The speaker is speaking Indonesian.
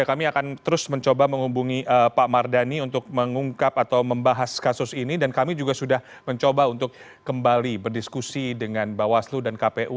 kami akan terus mencoba menghubungi pak mardhani untuk mengungkap atau membahas kasus ini dan kami juga sudah mencoba untuk kembali berdiskusi dengan bawaslu dan kpu